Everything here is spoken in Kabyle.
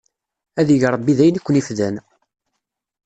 Ad ig Ṛebbi d ayen i ken-ifdan!